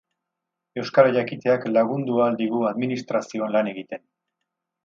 Euskara jakiteak lagundu ahal digu administrazioan lan egiten.